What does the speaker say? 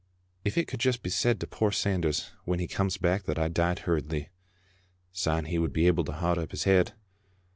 If it could just be said to poor Sanders when he comes back that I died hurriedly, syne he would be able to hand up his head